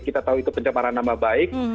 kita tahu itu pencemaran nama baik